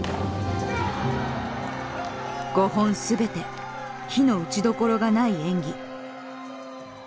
５本全て非の打ちどころがない演技。